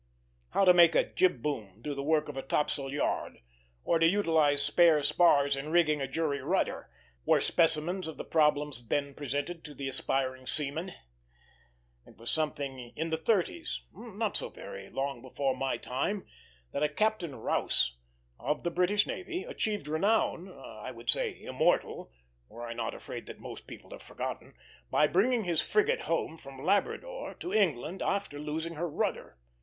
How to make a jib boom do the work of a topsail yard, or to utilize spare spars in rigging a jury rudder, were specimens of the problems then presented to the aspiring seaman. It was somewhere in the thirties, not so very long before my time, that a Captain Rous, of the British navy, achieved renown I would say immortal, were I not afraid that most people have forgotten by bringing his frigate home from Labrador to England after losing her rudder.